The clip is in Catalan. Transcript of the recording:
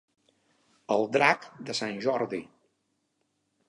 El drac de sant Jordi.